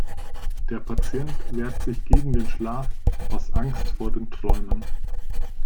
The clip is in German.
Der Patient wehrt sich gegen den Schlaf aus Angst vor den Träumen.